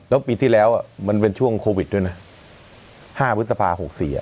แล้วปีที่แล้วมันเป็นช่วงโควิดด้วยนะ๕พฤษภา๖๔